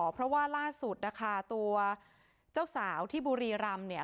เพราะว่าล่าสุดนะคะตัวเจ้าสาวที่บุรีรำเนี่ย